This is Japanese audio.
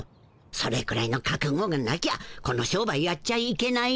それくらいのかくごがなきゃこの商売やっちゃいけないよ。